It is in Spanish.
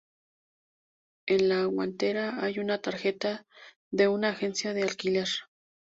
En la guantera hay una tarjeta de una agencia de alquiler.